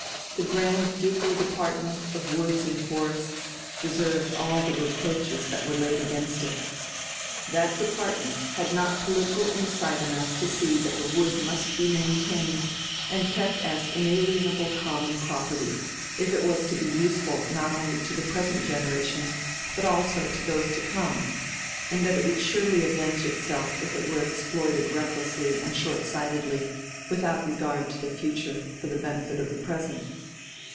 The Grand Ducal Department of Woods and Forests deserved all the reproaches that were laid against it. That Department had not political insight enough to see that the wood must be maintained and kept as inalienable common property, if it was to be useful not only to the present generation, but also to those to come; and that it would surely avenge itself if it were exploited recklessly and short sightedly, without regard to the future, for the benefit of the present.